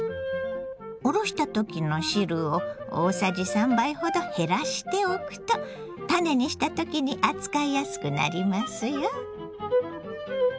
おろした時の汁を大さじ３杯ほど減らしておくとたねにした時に扱いやすくなりますよ。